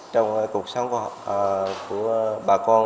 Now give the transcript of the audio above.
trong cuộc sống của bà con